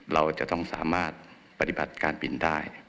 เราจะต้องสามารถปฏิบัติการบินได้